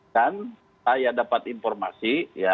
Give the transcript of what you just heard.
dan saya dapat informasi